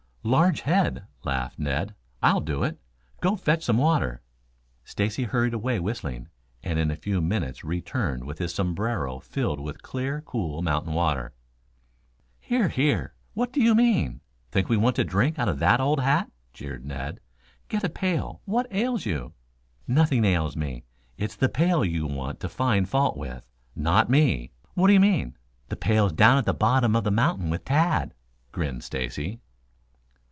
"Large head," laughed Ned. "I'll do it. Go fetch me some water." Stacy hurried away whistling, and in a few minutes returned with his sombrero filled with clear, cool mountain water. "Here, here! What do you mean? Think we want to drink out of that old hat?" jeered Ned. "Get a pail; what ails you?" "Nothing ails me. It's the pail you want to find fault with not with me." "What do you mean?" "The pail's down at the bottom of the mountain with Tad," grinned Stacy.